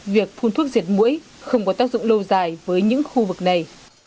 việc phun thuốc diệt mũi không có tác dụng lâu dài với những khu vực này